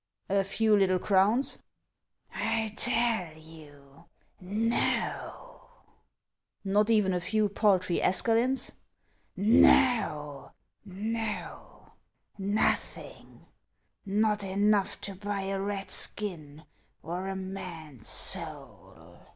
" A few little crowns ?"" I tell you, no !"" Not even a few paltry escalius ?"" No, no, nothing ; not enough to buy a rat's skin or a man's soul."